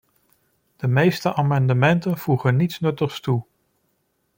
De meeste amendementen voegen niets nuttig toe.